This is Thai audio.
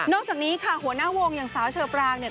นอกจากนี้ค่ะหัวหน้าวงอย่างสาวเชอปราก